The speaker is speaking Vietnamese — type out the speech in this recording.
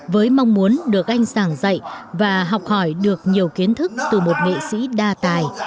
với mong muốn được anh giảng dạy và học hỏi được nhiều kiến thức từ một nghệ sĩ đa tài